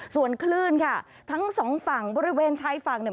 ส่วนคลื่นค่ะทั้งสองฝั่งบริเวณชายฝั่งเนี่ย